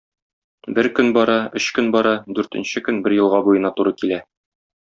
Бер көн бара, өч көн бара, дүртенче көн бер елга буена туры килә.